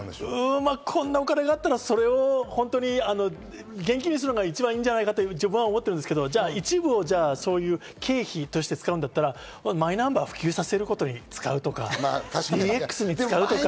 こんなお金があったら現金にするのが一番いいんじゃないかって自分は思ってるんですけど、一部経費として使うんだったら、マイナンバーを普及させることに使うとか、ＤＸに使うとか。